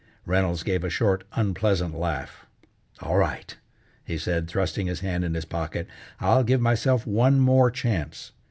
Reynolds gave a short, unpleasant laugh. "All right," he said, thrusting his hand in his pocket. "I'll give myself one more chance.